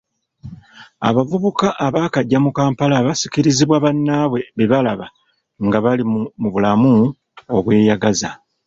Abavubuka abaakajja mu Kampala basikirizibwa bannaabwe bebalaba nga bali mu bulamu obweyagaza.